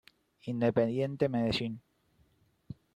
Independiente Medellín